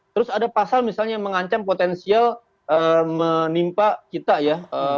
terus ada pasal misalnya yang mengancam potensial menimpa kita ya